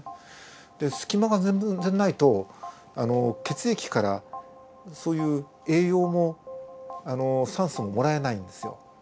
で隙間が全然ないと血液からそういう栄養も酸素ももらえないんですよ。